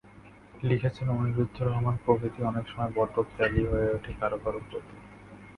লিখেছেন অনিরুদ্ধ রহমানপ্রকৃতি অনেক সময়ই বড্ড খেয়ালি হয়ে ওঠে কারও কারও প্রতি।